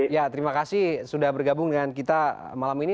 ya terima kasih sudah bergabung dengan kita malam ini